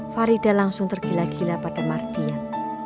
farida langsung terkisah dengan mardian